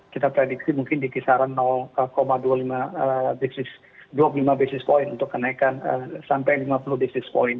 kita prediksi mungkin di kisaran dua puluh lima basis point untuk kenaikan sampai lima puluh basis point